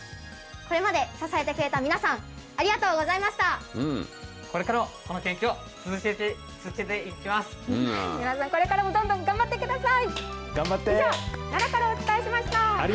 これまで支えてくれた皆さん、これからもこの研究を続けて皆さん、これからもどんどん頑張ってください。